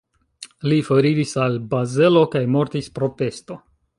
Li foriris al Bazelo kaj mortis pro pesto.